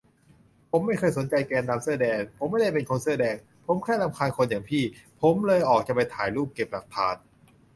ผมไม่เคยสนใจแกนนำเสื้อแดง ผมไม่ได้เป็นเสื้อแดง ผมแค่รำคาญคนอย่างพี่ ผมเลยจะออกไปถ่ายรูป เก็บหลักฐาน